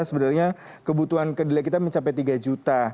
sebenarnya kebutuhan kedelai kita mencapai tiga juta